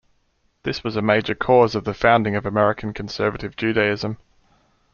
This was a major cause of the founding of American Conservative Judaism.